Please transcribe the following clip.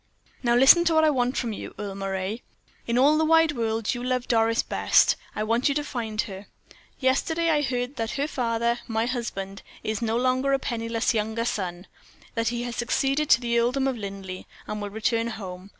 "Now listen to what I want from you, Earle Moray. In all the wide world; you love Doris best; I want you to find her. Yesterday I heard that her father my husband is no longer a penniless younger son; that he has succeeded to the earldom of Linleigh, and will return home.